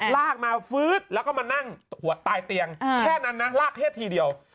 ลากมาฟื๊ดแล้วก็มานั่งหัวตายเตียงแค่นั้นนะลากแค่ทีเดียว